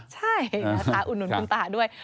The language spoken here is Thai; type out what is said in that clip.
ใช่นะคะอุดหนุนคุณตาด้วย